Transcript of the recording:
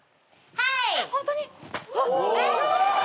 はい。